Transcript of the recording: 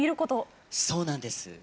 そうなんです。